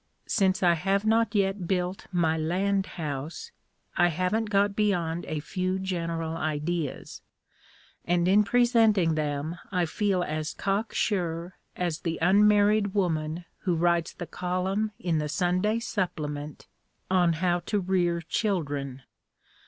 Since I have not yet built my land house, I haven't got beyond a few general ideas, and in presenting them I feel as cocksure as the unmarried woman who writes the column in the Sunday supplement on how to rear children.